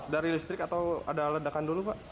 dari listrik atau ada ledakan dulu pak